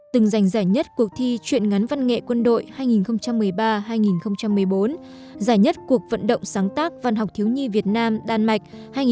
từng giành giải nhất cuộc thi chuyện ngắn văn nghệ quân đội hai nghìn một mươi ba hai nghìn một mươi bốn giải nhất cuộc vận động sáng tác văn học thiếu nhi việt nam đan mạch hai nghìn một mươi ba hai nghìn một mươi năm